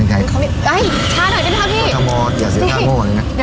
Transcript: เฮ้ยช้าหน่อยได้ไหมครับพี่